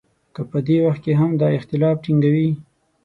که په دې وخت کې هم دا اختلاف ټینګوي.